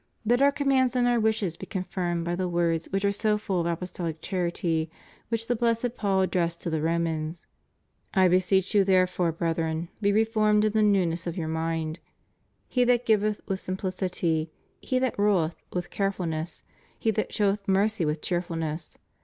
Let Our commands and Our wishes be confirmed by the words which are so full of apostoUc charity which the blessed Paul addressed to the Romans: "I beseech you therefore brethren, be reformed in the newness of your mind; he that giveth, with simplicity; he that ruleth, with carefulness; he that showeth mercy with cheerfulness.